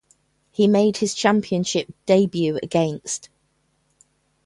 He made his championship debut against.